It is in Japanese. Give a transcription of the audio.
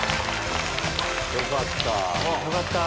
よかった。